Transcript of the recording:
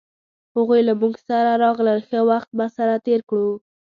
هغوی له مونږ سره راغلل ښه وخت به سره تیر کړو